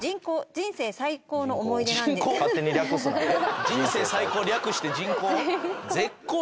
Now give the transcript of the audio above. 人生最高の思い出なんですが。